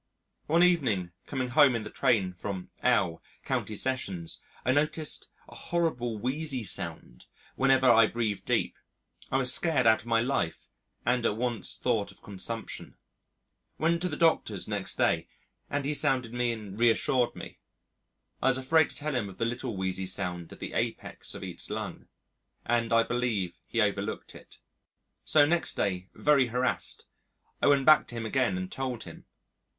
One evening coming home in the train from L County Sessions I noticed a horrible, wheezy sound whenever I breathed deep. I was scared out of my life, and at once thought of consumption. Went to the Doctor's next day, and he sounded me and reassured me. I was afraid to tell him of the little wheezy sound at the apex of each lung, and I believed he overlooked it. So next day, very harassed, I went back to him again and told him.